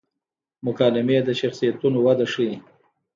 مکالمې د شخصیتونو وده ښيي.